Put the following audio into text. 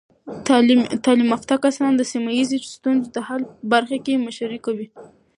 تعلیم یافته کسان د سیمه ایزې ستونزو د حل په برخه کې مشري کوي.